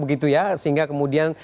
begitu ya sehingga kemudian